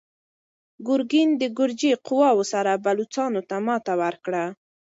ګورګین د ګرجي قواوو سره بلوڅانو ته ماتې ورکړه.